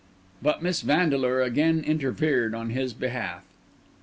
But Miss Vandeleur once again interfered in his behalf.